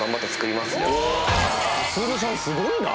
すごいな！